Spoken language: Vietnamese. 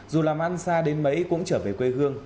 dù làm ăn xa đến mấy cũng trở về quê hương